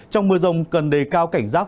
trong mưa rông cần đề cao cảnh rác